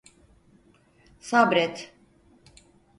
Sabret…